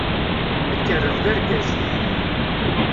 Ad k-rreɣ d argaz.